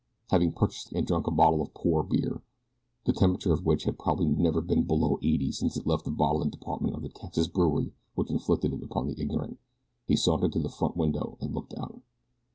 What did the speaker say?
Having purchased and drunk a bottle of poor beer, the temperature of which had probably never been below eighty since it left the bottling department of the Texas brewery which inflicted it upon the ignorant, he sauntered to the front window and looked out.